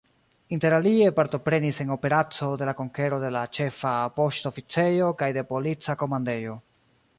Interalie partoprenis en operaco de la konkero de Ĉefa Poŝtoficejo kaj de Polica Komandejo.